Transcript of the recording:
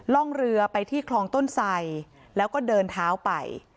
ร่องเรือไปที่คลองต้นไสแล้วก็เดินเท้าไป